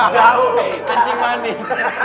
jauh kencing manis